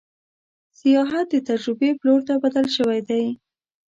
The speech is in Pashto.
سیاحت د تجربې پلور ته بدل شوی دی.